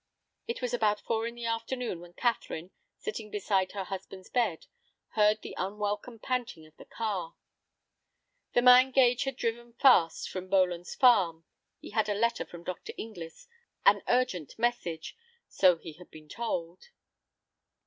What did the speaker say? It was about four in the afternoon when Catherine, sitting beside her husband's bed, heard the unwelcome panting of the car. The man Gage had driven fast from Boland's Farm. He had a letter from Dr. Inglis, an urgent message, so he had been told.